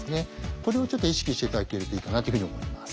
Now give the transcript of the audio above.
これをちょっと意識して頂けるといいかなっていうふうに思います。